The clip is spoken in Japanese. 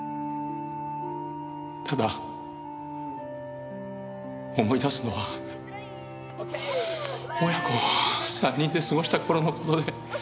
ただ思い出すのは親子３人で過ごした頃の事で。